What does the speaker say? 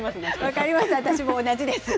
分かります、私も同じです。